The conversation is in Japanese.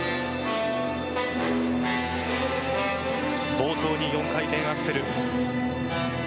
冒頭に４回転アクセル。